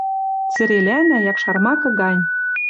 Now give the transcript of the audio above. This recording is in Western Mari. Цӹрелӓнӓ, якшар макы гань.